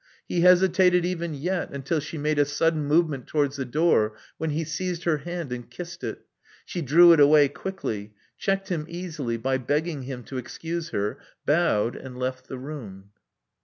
He hesitated even yet, until she made a sudden movement towards the door, when he seized her hand and kissed itv She drew it away quickly ; checked him easily by begging him to excuse her ; bowed ; and left the room.